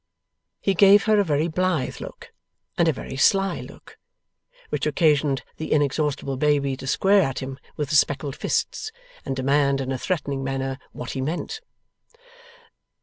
He gave her a very blithe look, and a very sly look. Which occasioned the inexhaustible baby to square at him with the speckled fists, and demand in a threatening manner what he meant?